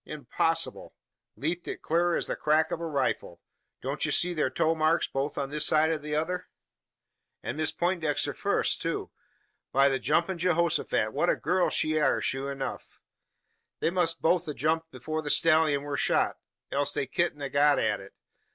"Impossible." "Leaped it clur as the crack o' a rifle. Don't ye see thur toe marks, both on this side an the t'other? An' Miss Peintdexter fust, too! By the jumpin' Geehosofat, what a gurl she air sure enuf! They must both a jumped afore the stellyun war shot; else they kedn't a got at it.